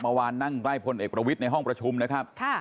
เมื่อวานนั่งใกล้พลเอกประวิทย์ในห้องประชุมนะครับ